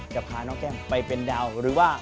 จะพาน้องแก้มไปเป็นดาวหรือว่า